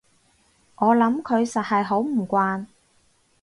我諗佢實係好唔慣